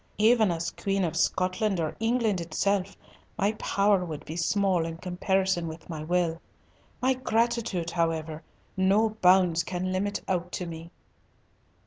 Even as Queen of Scotland or England itself, my power would be small in comparison with my will. My gratitude, however, no bounds can limit out to me."